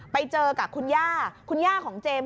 ไปเจอกับคุณย่าคุณย่าของเจมส์